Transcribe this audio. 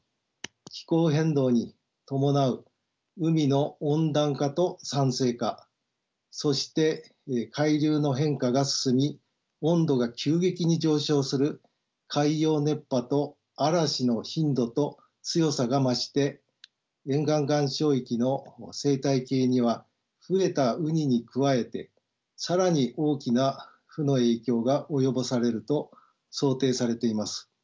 気候変動に伴う海の温暖化と酸性化そして海流の変化が進み温度が急激に上昇する海洋熱波と嵐の頻度と強さが増して沿岸岩礁域の生態系には増えたウニに加えて更に大きな負の影響が及ぼされると想定されています。